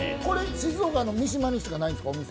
静岡の三島にしかないんですか？